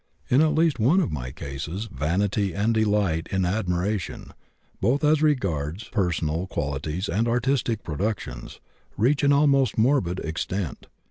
In at least one of my cases vanity and delight in admiration, both as regards personal qualities and artistic productions, reach an almost morbid extent.